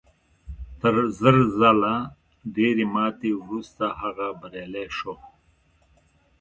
تر زر ځله ډېرې ماتې وروسته هغه بریالی شو